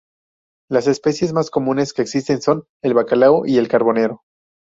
Las especies más comunes que existen son el bacalao y el carbonero.